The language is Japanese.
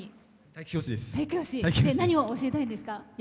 何を教えたいんですか？